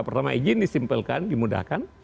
pertama izin disimpelkan dimudahkan